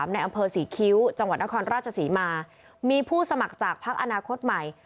ในอำเภอศรีคิ้วจังหวัดนครราชศรีมามีผู้สมัครจากพักอนาคตใหม่